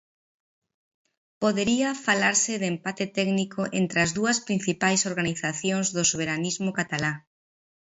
Podería falarse de empate técnico entre as dúas principais organizacións do soberanismo catalá.